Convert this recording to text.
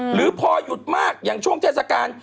หรือพอหยุดมากอย่างช่วงเทศกาล